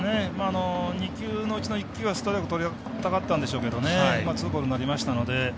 ２球のうち１球はストライクとりたかったんでしょうけどツーボールになりましたので。